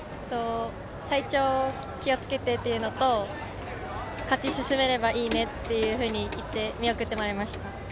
体調を気をつけてというのと勝ち進めればいいねっていうふうに言って見送ってくれました。